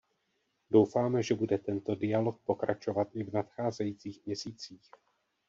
Doufáme, že bude tento dialog pokračovat i v nadcházejících měsících.